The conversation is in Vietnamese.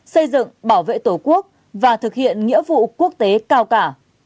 xây dựng bảo vệ tổ quốc và thực hiện nghĩa vụ quốc tế cao cả